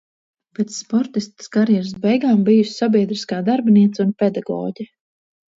Pēc sportistes karjeras beigām bijusi sabiedriskā darbiniece un pedagoģe.